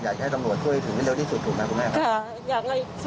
อยากให้ตำรวจช่วยถึงให้เร็วที่สุดถูกไหมคุณแม่ครับ